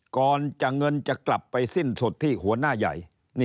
เงินจะกลับไปสิ้นสุดที่หัวหน้าใหญ่